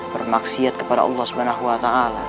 bermaksiat kepada allah swt